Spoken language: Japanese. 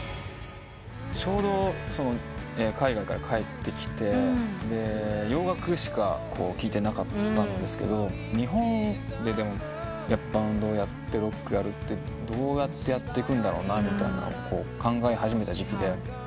ちょうど海外から帰ってきて洋楽しか聴いてなかったんですけど日本でバンドをやってロックやるってどうやってやってくんだろなみたいな考え始めた時期で。